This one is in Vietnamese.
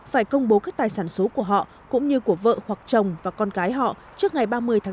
phải công bố các tài sản số của họ cũng như của vợ hoặc chồng và con gái họ trước ngày ba mươi sáu hai nghìn hai mươi một